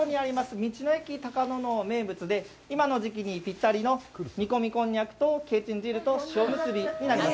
道の駅たかのの名物で今の時期にぴったりの、煮込みこんにゃくとけんちん汁と塩むすびになります。